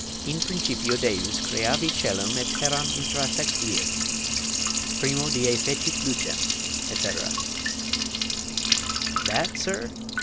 "In principio Deus creavit coelum et terram intra sex dies; primo die fecit lucem," etc. "That, sir?"